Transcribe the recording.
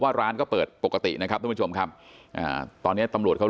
ร้านก็เปิดปกตินะครับทุกผู้ชมครับอ่าตอนเนี้ยตำรวจเขา